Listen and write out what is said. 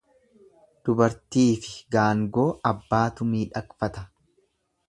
Dubartiifi gaangoo abbaatu miidhagfata.